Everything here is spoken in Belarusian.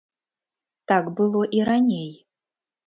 Так было і раней.